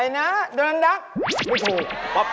ใครนะเดอร์นัคไม่ผู้ป๊อปไอ